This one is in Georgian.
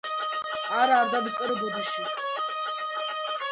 ბავშვის პირით სიმართლე ღაღადებს